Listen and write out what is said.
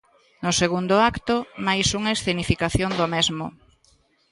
No segundo acto, máis unha escenificación do mesmo.